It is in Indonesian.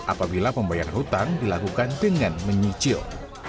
apabila pembayaran hutang dilakukan dengan menyicil